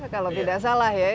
kalau tidak salah ya